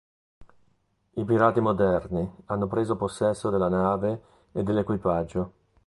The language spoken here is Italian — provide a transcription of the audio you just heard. I pirati moderni hanno preso possesso della nave e dell'equipaggio.